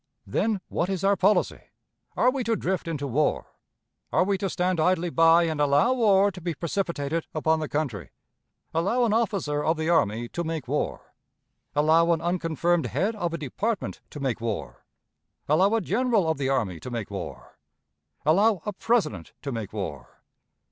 Then what is our policy? Are we to drift into war? Are we to stand idly by, and allow war to be precipitated upon the country? Allow an officer of the army to make war? Allow an unconfirmed head of a department to make war? Allow a general of the army to make war? Allow a President to make war?